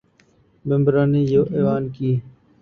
ممبران ایوان کی